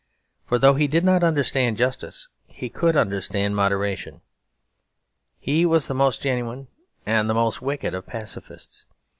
For though he did not understand justice, he could understand moderation. He was the most genuine and the most wicked of pacifists.